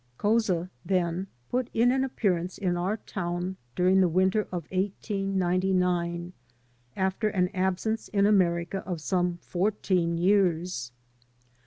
Couza, then, put in an appearance in our town during the winter of 1899, after an absence in America of some fourteen years.